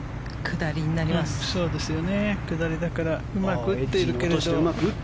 下りだからうまく打っているけれど。